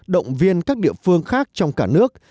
động viên các địa phương khác trong cả nước